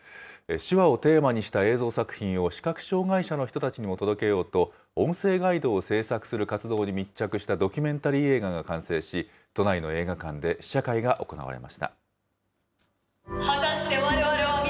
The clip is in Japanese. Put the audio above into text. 手話をテーマにした映像作品を、視覚障害者の人たちにも届けようと、音声ガイドを制作する活動に密着したドキュメンタリー映画が完成し、都内の映画館で試写会が行われました。